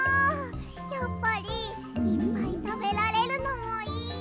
やっぱりいっぱいたべられるのもいい！